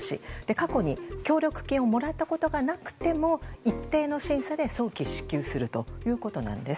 過去に協力金をもらったことがなくても一定の審査で早期支給するということです。